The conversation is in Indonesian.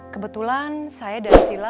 kebetulan saya dan sila